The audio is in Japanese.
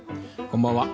こんばんは。